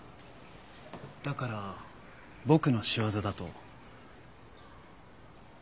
だから僕の仕業だと？